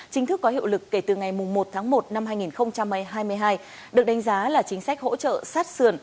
chính thức có hiệu lực kể từ ngày một tháng một năm hai nghìn hai mươi hai được đánh giá là chính sách hỗ trợ sát sườn